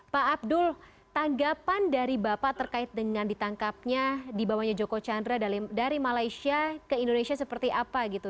pak abdul tanggapan dari bapak terkait dengan ditangkapnya dibawanya joko chandra dari malaysia ke indonesia seperti apa gitu